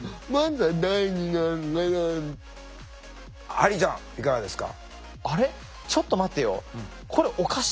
ハリーちゃんいかがですか？